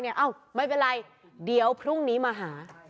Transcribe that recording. เอ้าไม่เป็นไรเดี๋ยวพรุ่งนี้มาหา